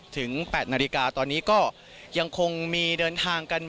๘นาฬิกาตอนนี้ก็ยังคงมีเดินทางกัน